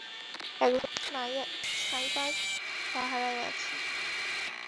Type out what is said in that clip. একজন স্নাইপার পাহারায় আছে।